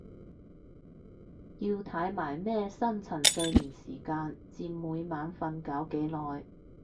要睇埋咩深層睡眠時間佔每晚瞓覺幾耐？